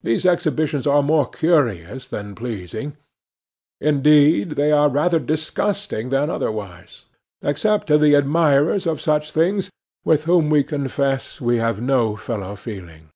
These exhibitions are more curious than pleasing; indeed, they are rather disgusting than otherwise, except to the admirers of such things, with whom we confess we have no fellow feeling.